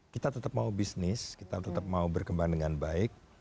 kita tetap mau bisnis kita tetap mau berkembang dengan baik